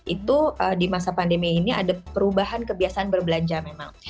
itu di masa pandemi ini ada perubahan kebiasaan berbelanja memang